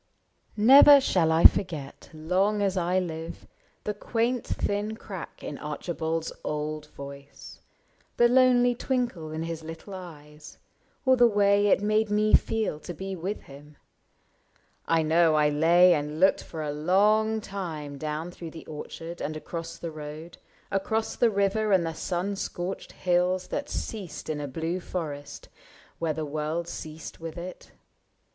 Never shall I forget, long as I live. The quaint thin crack in Archibald's old voice. The lonely twinkle in his little eyes. Or the way it made me feel to be with him. I know I lay and looked for a long time Down through the orchard and across the road. Across the river and the sun scorched hills That ceased in a blue forest, where the world Ceased with it.